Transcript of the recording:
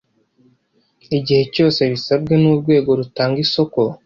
Igihe cyose abisabwe n’urwego rutanga isoko,